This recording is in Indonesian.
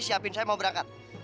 siapin saya mau berangkat